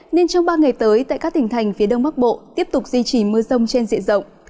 nên trong ba ngày tới tại các tỉnh thành phía đông bắc bộ tiếp tục duy trì mưa rông trên diện rộng